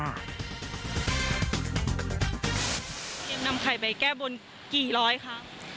เตรียมนำไข่ไปแก้บนกี่ร้อยครับ